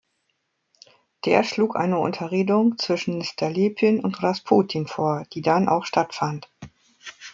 Der schlug eine Unterredung zwischen Stolypin und Rasputin vor, die dann auch stattfand.